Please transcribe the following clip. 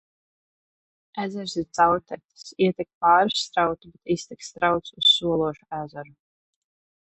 Ezers ir caurteces: ietek pāris strautu, bet iztek strauts uz Sološu ezeru.